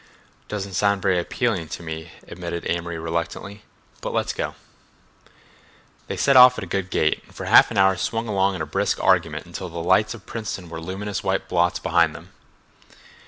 "Doesn't sound very appealing to me," admitted Amory reluctantly, "but let's go." They set off at a good gait, and for an hour swung along in a brisk argument until the lights of Princeton were luminous white blots behind them.